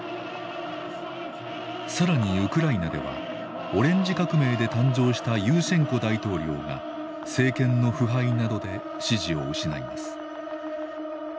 更にウクライナではオレンジ革命で誕生したユーシェンコ大統領が政権の腐敗などで支持を失います。